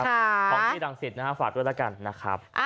ของที่รังสิตนะฮะฝากด้วยแล้วกันนะครับ